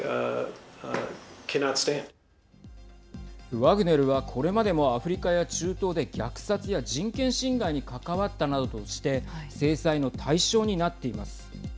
ワグネルはこれまでもアフリカや中東で虐殺や人権侵害に関わったなどとして制裁の対象になっています。